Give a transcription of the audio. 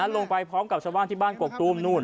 ลงไปพร้อมกับชาวบ้านที่บ้านกกตูมนู่น